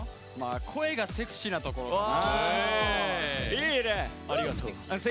声がセクシーなところかな。